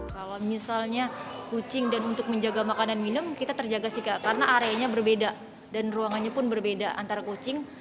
kalau misalnya kucing dan untuk menjaga makanan minum kita terjaga sih kak karena areanya berbeda dan ruangannya pun berbeda antara kucing